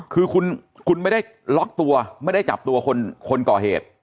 คือคุณไม่ได้ล็อกตัวไม่ได้จับตัวคนก่อเหตุ